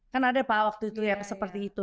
kan ada pak waktu itu seperti itu